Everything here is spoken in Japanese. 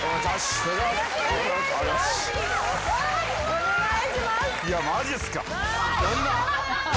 お願いします。